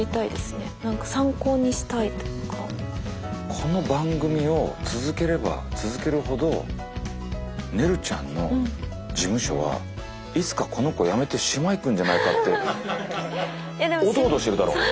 この番組を続ければ続けるほどねるちゃんの事務所はいつかこの子やめて島行くんじゃないかっておどおどしてるだろうね。